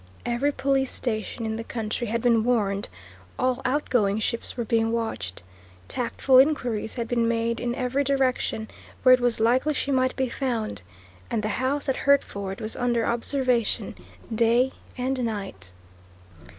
Every police station in the country had been warned; all outgoing ships were being watched; tactful inquiries had been made in every direction where it was likely she might be found; and the house at Hertford was under observation day and night.